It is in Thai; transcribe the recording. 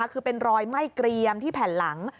คือเป็นรอยไหม้เกรียมที่แผ่นหลัง